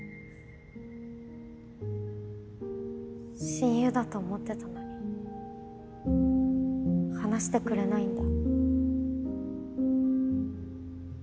親友だと思ってたのに話してくれないんだ。